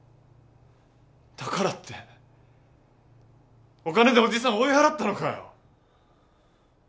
だからってお金でおじさん追い払ったのかよ？